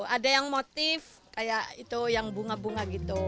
ada yang motif kayak itu yang bunga bunga gitu